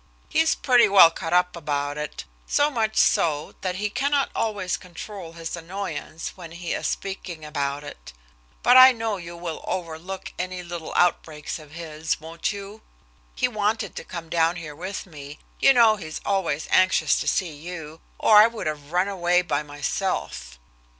He's pretty well cut up about it, so much so that he cannot always control his annoyance when he is speaking about it. But I know you will overlook any little outbreaks of his, won't you? He wanted to come down here with me, you know he's always anxious to see you, or I would have run away by myself."